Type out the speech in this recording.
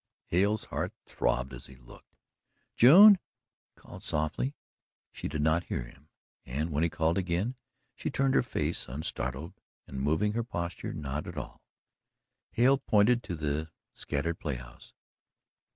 Hale's heart throbbed as he looked. "June!" he called softly. She did not hear him, and when he called again, she turned her face unstartled and moving her posture not at all. Hale pointed to the scattered play house.